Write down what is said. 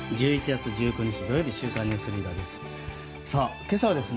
１１月１９日、土曜日「週刊ニュースリーダー」です。